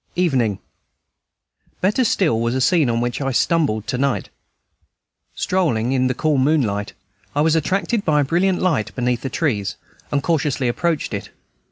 Evening. Better still was a scene on which I stumbled to night. Strolling in the cool moonlight, I was attracted by a brilliant light beneath the trees, and cautiously approached it.